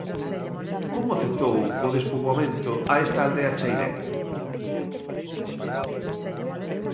Como afectou o despoboamento a esta aldea chairega?